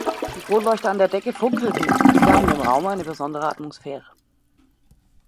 Die Kronleuchter an der Decke funkelten und gaben dem Raum eine besondere Atmosphäre.